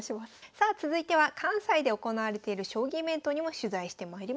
さあ続いては関西で行われている将棋イベントにも取材してまいりました。